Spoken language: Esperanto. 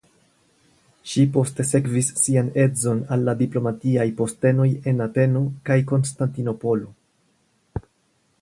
Ŝi poste sekvis sian edzon al la diplomatiaj postenoj en Ateno kaj Konstantinopolo.